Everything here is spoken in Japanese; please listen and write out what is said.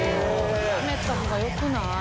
やめた方がよくない？